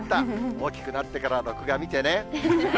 大きくなってから録画見てね。